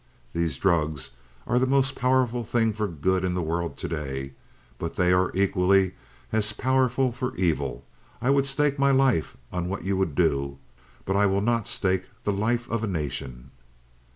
These drugs are the most powerful thing for good in the world to day. But they are equally as powerful for evil. I would stake my life on what you would do, but I will not stake the life of a nation."